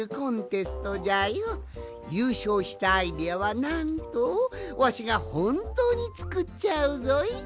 ゆうしょうしたアイデアはなんとわしがほんとうにつくっちゃうぞい！